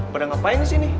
beda ngapain disini